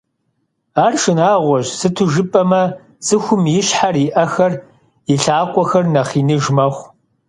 Ар шынагъуэщ, сыту жыпӀэмэ, цӀыхум и щхьэр, и Ӏэхэр, и лъакъуэхэр нэхъ иныж мэхъу.